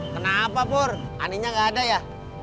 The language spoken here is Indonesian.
kenapa pur aninya gak ada ya